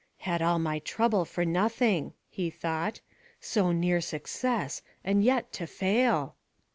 "Had all my trouble for nothing," he thought. "So near success, and yet to fail!"